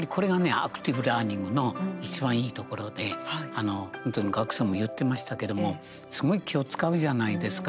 アクティブラーニングのいちばん、いいところで本当に学生も言ってましたけどもすごい気を遣うじゃないですか。